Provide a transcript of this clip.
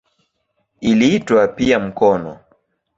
Iliitwa pia "mkono".